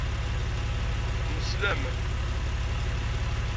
Nesla-am.